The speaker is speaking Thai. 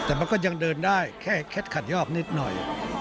แต่มันก็ยังเดินได้แค่เคล็ดขัดยอกนิดหน่อย